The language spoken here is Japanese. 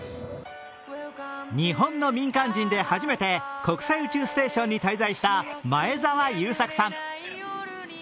日本の民間人で初めて国際宇宙ステーションに滞在した前澤友作さん。